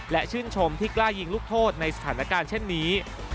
และชื่นชมที่กล้ายิงลูกโทษในสถานการณ์เช่นนี้